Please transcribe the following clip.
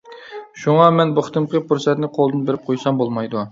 شۇڭا مەن بۇ قېتىمقى پۇرسەتنى قولدىن بېرىپ قويسام بولمايدۇ.